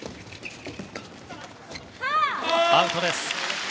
アウトです。